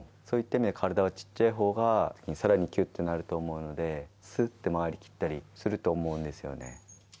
そういった意味で、体が小っちゃいほうが、さらにきゅっとなると思うので、すっと回りきったりすると思うんですよね。